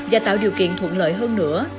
và tạo điều kiện thuận lợi hơn nữa